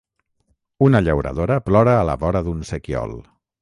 Una llauradora plora a la vora d’un sequiol.